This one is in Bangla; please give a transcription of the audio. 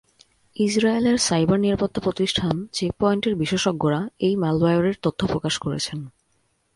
ইসরায়েলের সাইবার নিরাপত্তা প্রতিষ্ঠান চেক পয়েন্টের বিশেষজ্ঞরা এ ম্যালওয়্যারের তথ্য প্রকাশ করেছেন।